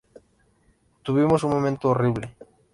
Tuvimos un momento horrible.